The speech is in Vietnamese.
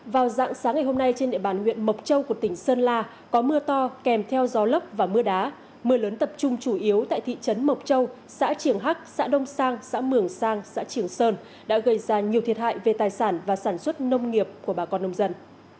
vào dạng sáng ngày hôm nay trên địa bàn huyện mộc châu của tỉnh sơn la có mưa to kèm theo gió lốc và mưa đá mưa lớn tập trung chủ yếu tại thị trấn mộc châu xã triềng hắc xã đông sang xã mường sang xã trường sơn đã gây ra nhiều thiệt hại về tài sản và sản xuất nông nghiệp của bà con nông dân